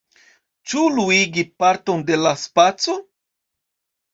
Ĉu luigi parton de la spaco?